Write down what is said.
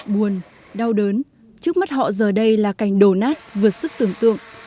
buồn đau đớn trước mắt họ giờ đây là cảnh đổ nát vượt sức tưởng tượng